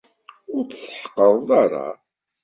Ur t-tḥeqqreḍ ara.